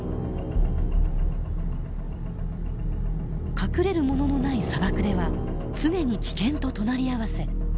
隠れるもののない砂漠では常に危険と隣り合わせ。